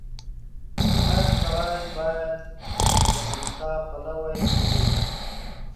• هر سړی باید د انصاف پلوی وي.